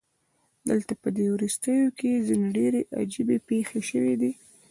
دلته پدې وروستیو کې ځینې ډیرې عجیبې پیښې شوې دي